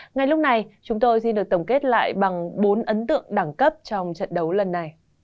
ngay lúc này chúng tôi xin được tổng kết lại bằng bốn ấn tượng đẳng cấp trong trận đấu lần này